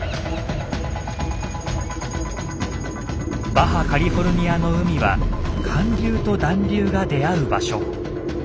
バハ・カリフォルニアの海は寒流と暖流が出会う場所。